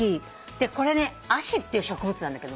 これねアシっていう植物なんだけど。